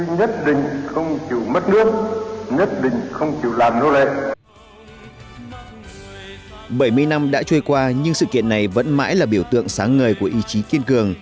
bảy mươi năm đã trôi qua nhưng sự kiện này vẫn mãi là biểu tượng sáng ngời của ý chí kiên cường